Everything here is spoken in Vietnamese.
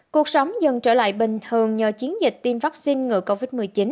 cuộc sống dần trở lại bình thường nhờ chiến dịch tiêm vaccine ngừa covid một mươi chín